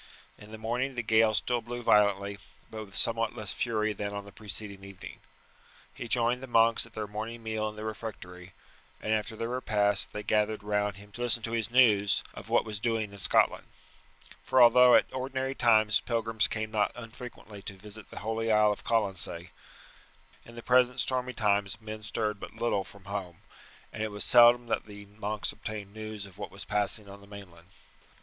In the morning the gale still blew violently, but with somewhat less fury than on the preceding evening. He joined the monks at their morning meal in the refectory, and after their repast they gathered round him to listen to his news of what was doing in Scotland; for although at ordinary times pilgrims came not unfrequently to visit the holy isle of Colonsay, in the present stormy times men stirred but little from home, and it was seldom that the monks obtained news of what was passing on the mainland.